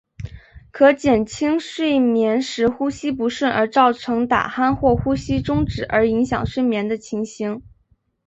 可减轻睡眠时呼吸不顺而造成打鼾或呼吸中止而影响睡眠的情形。